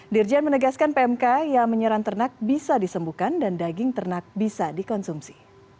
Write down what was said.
dirjen menegaskan pmk yang menyerang ternak bisa disembuhkan dan daging ternak bisa dikonsumsi